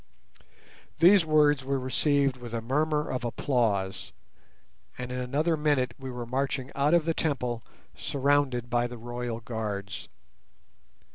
These words were received with a murmur of applause, and in another minute we were marching out of the temple surrounded by the royal guards.